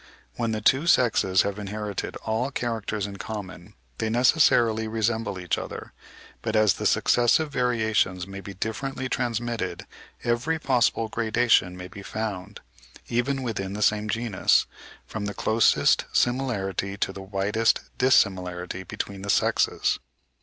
When the two sexes have inherited all characters in common they necessarily resemble each other; but as the successive variations may be differently transmitted, every possible gradation may be found, even within the same genus, from the closest similarity to the widest dissimilarity between the sexes.